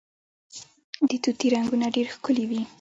د طوطي رنګونه ډیر ښکلي وي